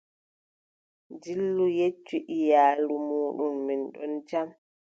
Dillu, yeccu iyaluuji mooɗon, min ɗon jam.